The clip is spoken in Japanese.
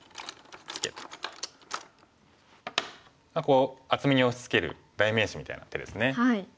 こう厚みに押しつける代名詞みたいな手ですね。